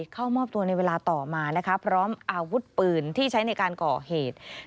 เข้ามอบตัวในเวลาต่อมานะคะพร้อมอาวุธปืนที่ใช้ในการก่อเหตุ